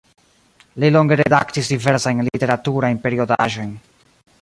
Li longe redaktis diversajn literaturajn periodaĵojn.